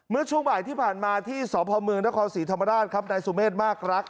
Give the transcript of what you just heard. เมื่อช่วงบ่ายที่ผ่านมาที่สพรศธรรมดาลในสุเมศมาร์กรัก